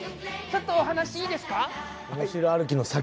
ちょっとお話いいですか？